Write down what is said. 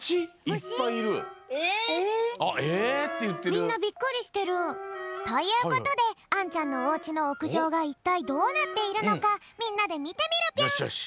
みんなびっくりしてる。ということであんちゃんのおうちのおくじょうがいったいどうなっているのかみんなでみてみるぴょん！